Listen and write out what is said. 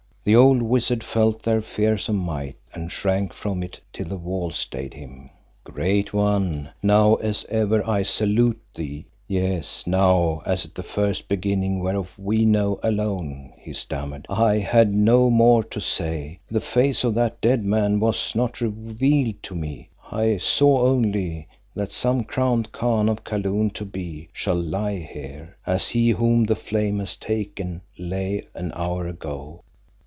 The old wizard felt their fearsome might and shrank from it till the wall stayed him. "Great One! now as ever I salute thee. Yes, now as at the first beginning whereof we know alone," he stammered. "I had no more to say; the face of that dead man was not revealed to me. I saw only that some crowned Khan of Kaloon to be shall lie here, as he whom the flame has taken lay an hour ago."